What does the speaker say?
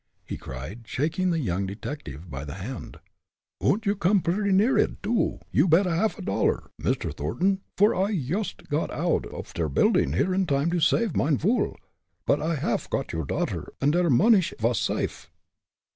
he cried, shaking the young detective by the hand. "Und you come purdy near id, too, you can bet a half dollar, Mr. Thornton, for I yoost got oud off der building here in time to save mine vool. But I haff got your daughter, und der monish vas safe!"